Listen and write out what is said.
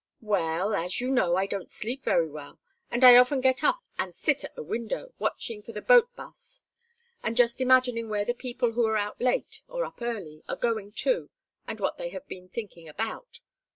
"Well, as you know, I don't sleep very well, and I often get up and sit at the window, watching for the boat 'bus, and just imagining where the people who are out late, or up early, are going to and what they are thinking about.